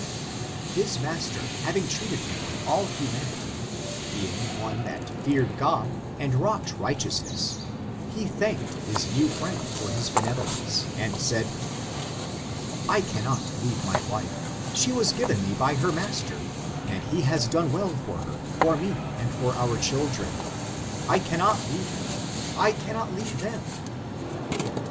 '* His master having treated him with all humanity, being one that feared Gk>d, and wrought righteousness, he thanked his new friend for his benevolence, and said, " I cannot leave my wife ; she was given me by her master, and he has done well for her, for me, and for our children. I cannot leave him —[ cannot leave them."